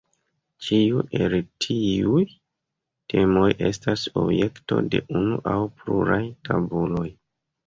Ĉiu el tiuj temoj estas objekto de unu aŭ pluraj tabuloj.